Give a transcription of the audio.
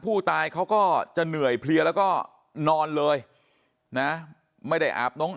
ผู้ตายเขาก็จะเหนื่อยเพลียแล้วก็นอนเลยนะไม่ได้อาบน้อง